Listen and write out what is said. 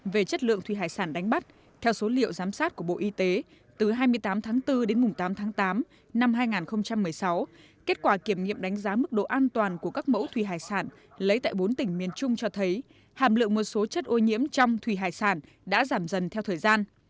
về chất lượng thủy hải sản đánh bắt theo số liệu giám sát của bộ y tế từ hai mươi tám tháng bốn đến tám tháng tám năm hai nghìn một mươi sáu kết quả kiểm nghiệm đánh giá mức độ an toàn của các mẫu thủy hải sản lấy tại bốn tỉnh miền trung cho thấy hàm lượng một số chất ô nhiễm trong thủy hải sản đã giảm dần theo thời gian